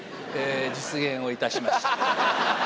実現をいたしました。